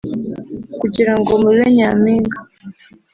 kugira ngo mube Nyampinga